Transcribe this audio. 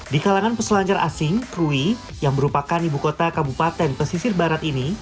di kalangan peselancar asing krui yang merupakan ibu kota kabupaten pesisir barat ini